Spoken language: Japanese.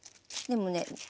でもね